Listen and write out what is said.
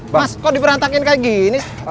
mas kok di perantakin kayak gini